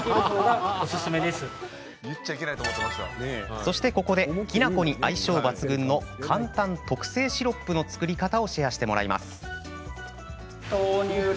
そして、ここできなこに相性抜群の簡単特製シロップの作り方をシェアしてもらいます。